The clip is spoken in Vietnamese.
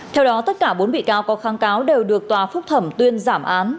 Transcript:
theo đó tất cả bốn bị cáo có kháng cáo đều được tòa phúc thẩm tuyên giảm án